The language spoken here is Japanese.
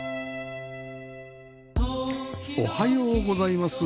おはようございます。